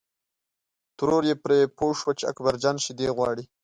ترور یې پرې پوه شوه چې اکبر جان شیدې غواړي.